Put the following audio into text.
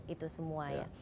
itu semua ya